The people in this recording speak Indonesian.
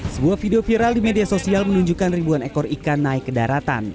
sebuah video viral di media sosial menunjukkan ribuan ekor ikan naik ke daratan